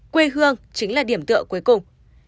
quê hương chính là điểm tựa cuối cùng